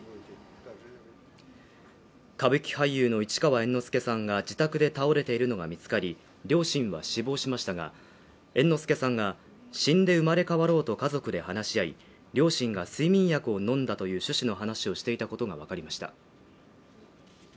歌舞伎俳優の市川猿之助さんが自宅で倒れているのが見つかり、両親は死亡しましたが猿之助さんが、死んで生まれ変わろうと家族で話し合い、両親が睡眠薬を飲んだという趣旨の話をしていたことがわかりました。